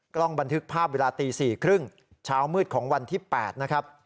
กล้องบันทึกภาพเวลาตี๔๓๐เช้ามืดของวันที่๘นะครับ